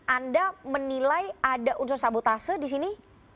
anda menilai ada unsur sabotase di sini